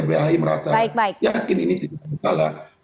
saya merasa yakin ini tidak salah